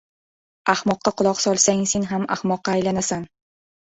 • Ahmoqqa quloq solsang sen ham ahmoqqa aylanasan.